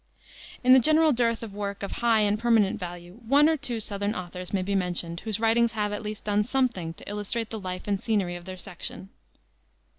In the general dearth of work of high and permanent value, one or two southern authors may be mentioned whose writings have at least done something to illustrate the life and scenery of their section.